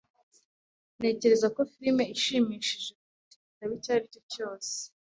Ntekereza ko firime ishimishije kuruta igitabo icyo ari cyo cyose.